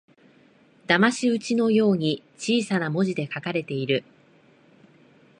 だまし討ちのように小さな文字で書かれている